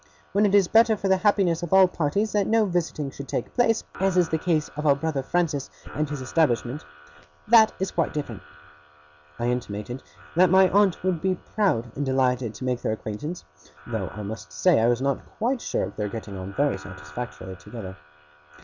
When it is better for the happiness of all parties that no visiting should take place, (as in the case of our brother Francis, and his establishment) that is quite different.' I intimated that my aunt would be proud and delighted to make their acquaintance; though I must say I was not quite sure of their getting on very satisfactorily together.